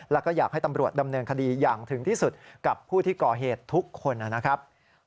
แล้วก็อยากให้ตำรวจดำเนินคดีอย่างถึงที่สุดกับผู้ที่ก่อเหตุทุกคนนะครับ